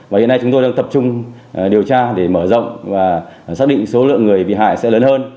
và hiện nay chúng tôi đang tập trung điều tra để mở rộng và xác định số lượng người bị hại sẽ lớn hơn